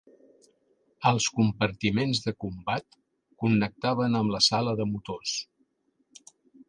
Els compartiments de combat connectaven amb la sala de motors.